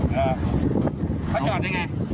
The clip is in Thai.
เขาจอดยังไง